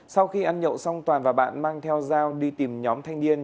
sau khi ăn nhậu xong toàn và bạn mang theo dao đi tìm nhóm thanh niên